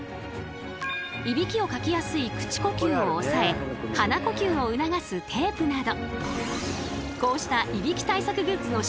いびきをかきやすい口呼吸を抑え鼻呼吸を促すテープなど。